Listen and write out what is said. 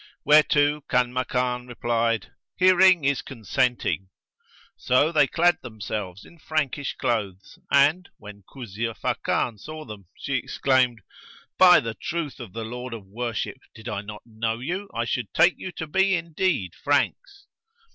Whereto Kanmakan replied, "Hearing is consenting." So they clad themselves in Frankish clothes and, when Kuzia Fakan saw them, she exclaimed, "By the truth of the Lord of Worship, did I not know you, I should take you to be indeed Franks!"